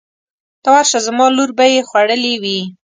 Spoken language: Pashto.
ته ورشه زما لور به یې خوړلې وي.